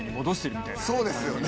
そうですよね。